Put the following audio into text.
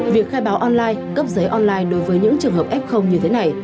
việc khai báo online cấp giấy online đối với những trường hợp f như thế này